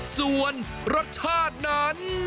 ส่วนรสชาตินั้น